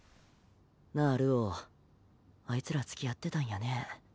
なあ流鶯あいつらつきあってたんやね。